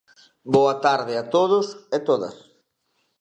Boa tarde a todos e todas.